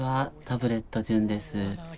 タブレット純です。